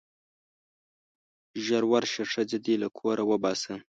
ژر ورشه ښځه دې له کوره وباسه.